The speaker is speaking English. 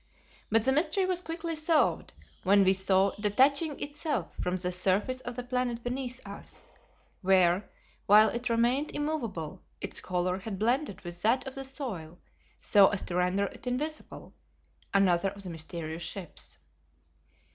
But the mystery was quickly solved when we saw detaching itself from the surface of the planet beneath us, where, while it remained immovable, its color had blended with that of the soil so as to render it invisible, another of the mysterious ships.